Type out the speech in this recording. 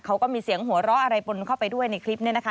เขาก็มีเสียงหัวเราะอะไรปนเข้าไปด้วยในคลิปนี้นะคะ